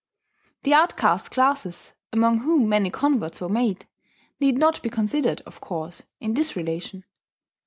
The outcast classes, among whom many converts were made, need not be considered, of course, in this relation.